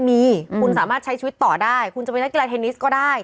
มีคุณสามารถใช้ชีวิตต่อได้คุณจะเป็นนักกีฬาเทนนิสก็ได้